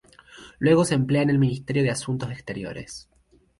Luego se emplea en el Ministerio de Asuntos Exteriores.